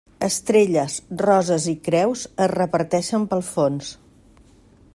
Estrelles, roses i creus es reparteixen pel fons.